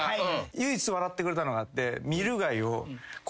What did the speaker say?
唯一笑ってくれたのがあって。